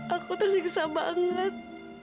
aku tersiksa banget